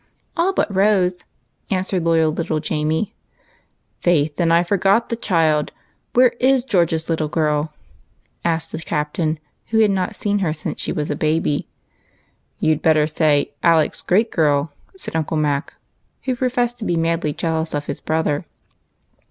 " All but Rose," answered loyal little Jamie, remem bering the absent. " Faith, I forgot the child ! Where is George's little girl ?" asked the Captain, who had not seen her since she was a baby. "You'd better say Alec's great girl," said Uncle Mac, who professed to be madly jealous of his brother.